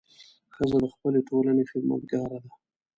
ښځه د خپلې ټولنې خدمتګاره ده.